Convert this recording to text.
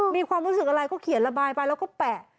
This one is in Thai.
มีความรู้สึกอะไรก็เขียนระบายไปแล้วก็แปะ